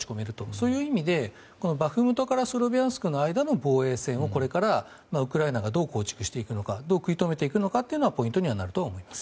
そういう意味でバフムトからスロビャンスクの間の防衛線をこれからウクライナがどう構築していくのかどう食い止めていくのかがポイントになると思います。